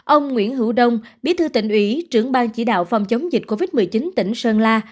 ông nguyễn hữu đông bí thư tỉnh ủy trưởng bang chỉ đạo phòng chống dịch covid một mươi chín tỉnh sơn la